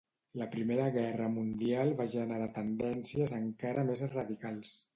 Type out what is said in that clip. La Primera Guerra Mundial va generar tendències encara més radicals.